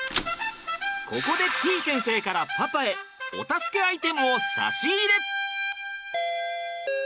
ここでてぃ先生からパパへお助けアイテムを差し入れ！